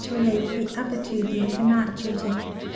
to relieve the other two there for night duty.